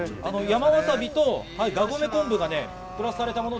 山わさびとがごめ昆布が合わせられたもの。